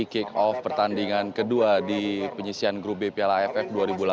kick off pertandingan kedua di penyisian grup b piala aff dua ribu delapan belas